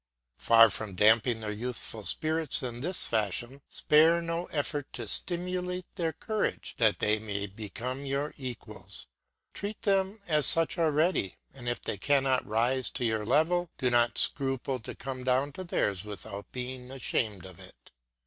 Far from damping their youthful spirits in this fashion, spare no effort to stimulate their courage; that they may become your equals, treat them as such already, and if they cannot rise to your level, do not scruple to come down to theirs without being ashamed of it.